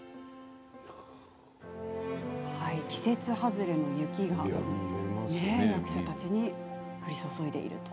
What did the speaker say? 季節外れの雪が役者たちに降り注ぎます。